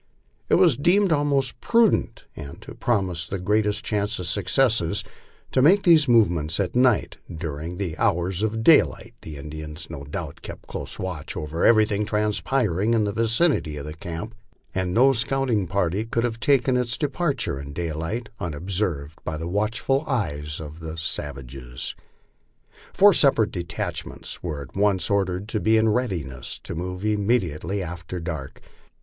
It was deemed most prudent, and to promise greatest chance of success, to make these movements at night, as during the hours of daylight the Indians no doubt kept close watch over everything transpiring in the vicinity of camp, and no scouting party could have taken its departure in daylight unobserved by the watchful eyes of the savages. Four separate detachments were at once ordered to be in readiness to move immediately after dark.